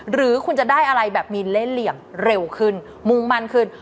หรือคุณจะได้อะไรแบบมีเล่นเหลี่ยมเร็วขึ้นมุ่งมั่นขึ้น